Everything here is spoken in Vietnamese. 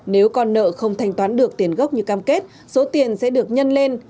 nếu con nợ không thanh toán được tiền gốc như cam kết số tiền sẽ được nhân lên